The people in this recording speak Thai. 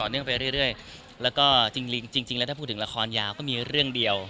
แล้วจริงแล้วถ้าพูดถึงละครยาวก็มีเรื่องเดียว